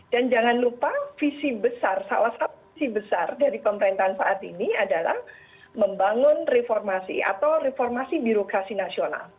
dan jangan lupa visi besar salah satu visi besar dari pemerintahan saat ini adalah membangun reformasi atau reformasi birokrasi nasional